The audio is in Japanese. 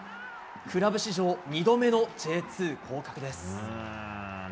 クラブ史上２度目のＪ２降格です。